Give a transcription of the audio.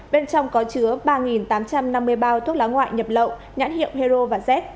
bên trong có chứa ba tám trăm năm mươi bao thuốc lá ngoại nhập lậu nhãn hiệu hero và z